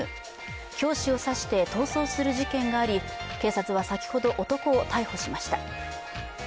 教師を刺して逃走する事件があり、警察は先ほど男を逮捕しました。